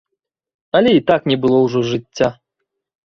Але і так не было ўжо жыцця.